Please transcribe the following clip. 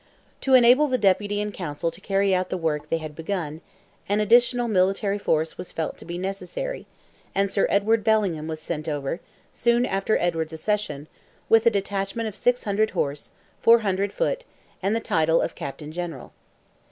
To enable the Deputy and Council to carry out the work they had begun, an additional military force was felt to be necessary, and Sir Edward Bellingham was sent over, soon after Edward's accession, with a detachment of six hundred horse, four hundred foot, and the title of Captain General.